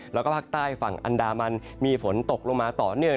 แล้วก็ภาคใต้ฝั่งอันดามันมีฝนตกลงมาต่อเนื่อง